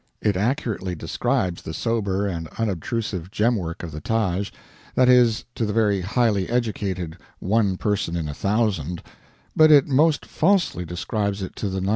It accurately describes the sober and unobtrusive gem work of the Taj; that is, to the very highly educated one person in a thousand; but it most falsely describes it to the 999.